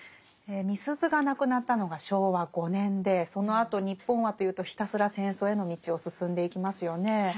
みすゞが亡くなったのが昭和５年でそのあと日本はというとひたすら戦争への道を進んでいきますよね。